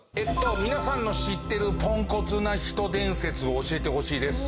皆さんの知ってるポンコツな人伝説を教えてほしいです。